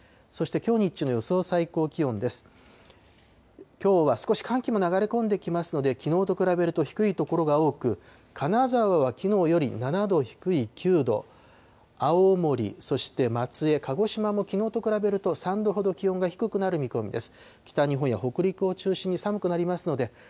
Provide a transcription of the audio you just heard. きょうは少し寒気も流れ込んできますので、きのうと比べると低い所が多く、金沢はきのうより７度低い９度、青森、そして松江、鹿児島もきのうと比べると３度ほど気温が低くなる見込みです。